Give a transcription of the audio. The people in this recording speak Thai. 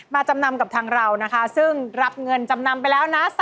จำนำกับทางเรานะคะซึ่งรับเงินจำนำไปแล้วนะ